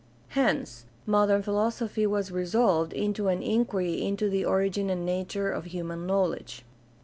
Hence modern philosophy was resolved into an inquiry into the origin and nature of human knowledge.